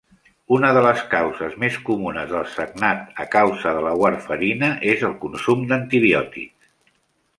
Una de les causes més comunes del sagnat a causa de la warfarina és el consum d'antibiòtics.